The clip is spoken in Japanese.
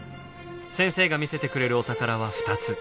先生が見せてくれるお宝は２つ。